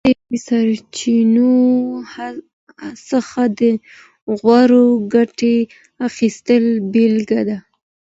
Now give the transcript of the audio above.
دا د سرچینو څخه د غوره ګټې اخیستنې بېلګه ده.